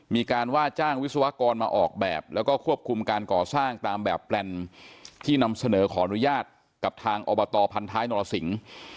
มีการว่าจ้างวิศวกรมาออกแบบแล้วก็ควบคุมการก่อสร้างตามแบบแปลนที่นำเสนอขออนุญาตกับทางอบตพันท้ายนรสิงศ์